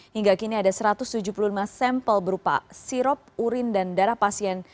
hingga kini ada satu ratus tujuh puluh lima sampel berupa sirop urin dan darah pasien